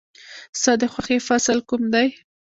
ستا د خوښې فصل کوم دی؟